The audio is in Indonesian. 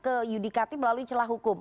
ke yudikatif melalui celah hukum